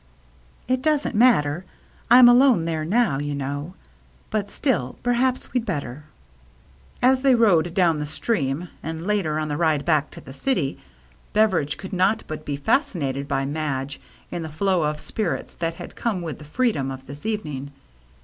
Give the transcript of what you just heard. " It doesn't matter ; I'm alone there now, you know. But still, perhaps we'd better." As they rowed down the stream, and later, on the ride back to the city, Beveridge could not but be fascinated by Madge, in the flow of spirits that had come with the freedom of this evening.